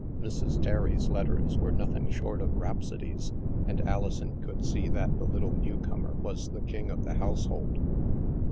Mrs. Terry's letters were nothing short of rhap sodies, and Alison could see that the little new comer was the king of the household.